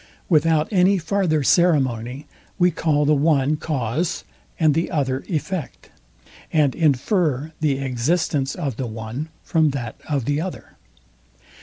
Without any farther ceremony, we call the one cause and the other effect, and infer the existence of the one from that of the other.